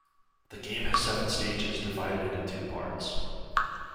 The game has seven stages divided into two parts.